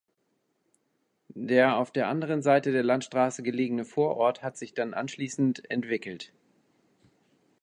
Der auf der anderen Seite der Landstraße gelegene Vorort hat sich dann anschließend entwickelt.